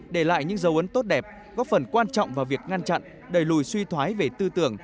để lại những dấu ấn tốt đẹp góp phần quan trọng vào việc ngăn chặn đẩy lùi suy thoái về tư tưởng